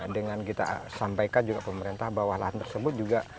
dengan kita sampaikan juga pemerintah bahwa lahan tersebut juga